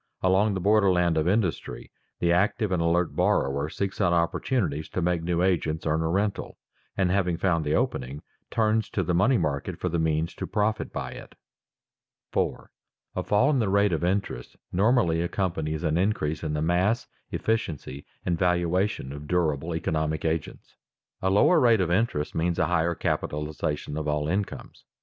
Along the border land of industry the active and alert borrower seeks out opportunities to make new agents earn a rental, and having found the opening, turns to the money market for the means to profit by it. [Sidenote: Lower interest means higher capitalization] 4. _A fall in the rate of interest normally accompanies an increase in the mass, efficiency, and valuation of durable economic agents._ A lower rate of interest means a higher capitalization of all incomes.